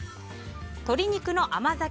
鶏肉の甘酒